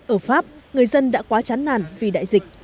ở pháp người dân đã quá chán nản vì đại dịch